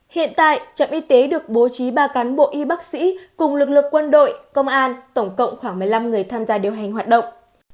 hiện tại trạm y tế được bố trí ba cán bộ y bác sĩ cùng lực lượng quân đội công an tổng cộng khoảng một mươi năm người tham gia điều hành hoạt động